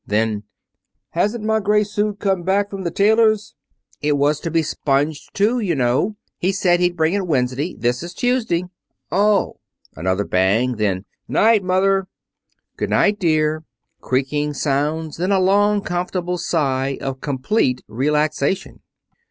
Then: "Hasn't my gray suit come back from the tailor's?" "It was to be sponged, too, you know. He said he'd bring it Wednesday. This is Tuesday." "Oh!" Another bang. Then: '"Night, Mother!" "Good night, dear." Creaking sounds, then a long, comfortable sigh of complete relaxation.